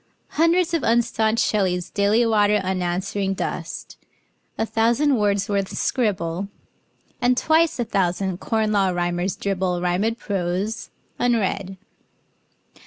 Hundreds of unstaunched Shelleys daily water Unanswering dust; a thousand Wordsworths scribble; And twice a thousand Corn Law Rhymers dribble Rhymed prose, unread.